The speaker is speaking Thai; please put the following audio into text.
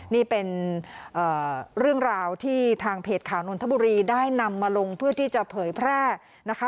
นี่เป็นเรื่องราวที่ทางเพจข่าวนนทบุรีได้นำมาลงเพื่อที่จะเผยแพร่นะคะ